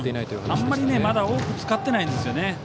あまりまだ多く使ってないんですね。